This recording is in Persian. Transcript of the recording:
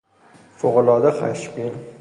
فوقالعاده خشمگین